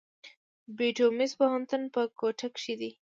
بيوټمز پوهنتون په کوټه کښي دی.